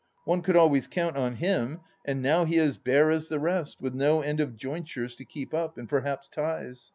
One could always count on him, and now he is bare as the rest, with no end of jointures to keep up, and perhaps ties.